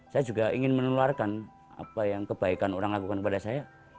saya juga ingin menularkan apa yang kebaikan orang lakukan kepada saya